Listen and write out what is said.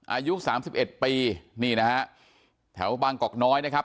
อายุสามสิบเอ็ดปีนี่นะฮะแถวบางกอกน้อยนะครับ